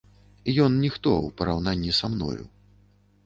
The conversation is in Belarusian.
Ён ніхто ў параўнанні са мною.